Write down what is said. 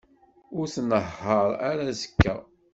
Ur tnehheṛ ara azekka.